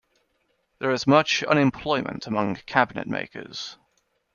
There is much unemployment among cabinetmakers.